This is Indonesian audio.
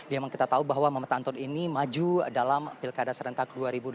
yang kita tahu bahwa muhammad anton ini maju dalam pilkada serentak dua ribu delapan belas